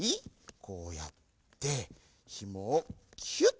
こうやってひもをキュッ。